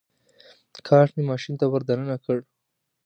کارټ مې ماشین ته ور دننه کړ.